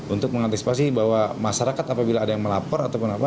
untuk mengantisipasi bahwa masyarakat apabila ada yang melapor